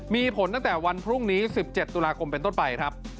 มีผลตั้งแต่วันพรุ่งนี้๑๗ตุลาคมเป็นต้นไปครับ